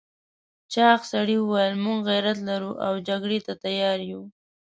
چاغ سړي وویل موږ غيرت لرو او جګړې ته تيار یو.